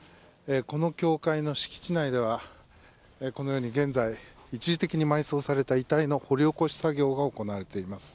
この教会の敷地内ではこのように現在、一時的に埋葬された遺体の掘り起こし作業が行われています。